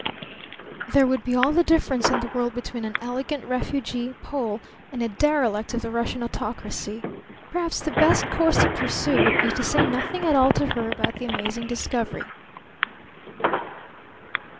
There would be all the difference in the world between an elegant refugee Pole and a derelict of the Russian autocracy. Perhaps the best course to pursue would be to say nothing at all to her about the amazing discovery.